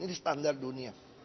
ini standar dunia